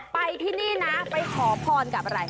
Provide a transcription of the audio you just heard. ไปที่นี่นะไปขอพรกับอะไร